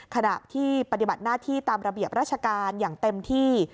ขณะที่ปฏิบัติหน้าที่ตามระเบียบราชการอย่างเต็มที่